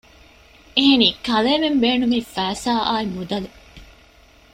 އެހެނީ ކަލޭމެން ބޭނުމީ ފައިސާ އާއި މުދަލު